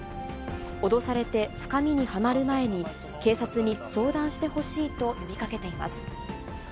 脅されて深みにはまる前に、警察に相談してほしいと呼びかけています。